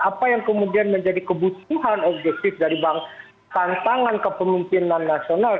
apa yang kemudian menjadi kebutuhan objektif dari bank tantangan kepemimpinan nasional